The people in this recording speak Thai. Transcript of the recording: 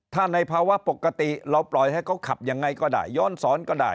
ถ้าในภาวะปกติเราปล่อยให้เขาขับยังไงก็ได้ย้อนสอนก็ได้